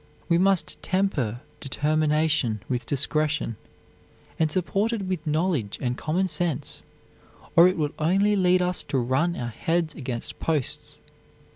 We must temper determination with discretion, and support it with knowledge and common sense, or it will only lead us to run our heads against posts.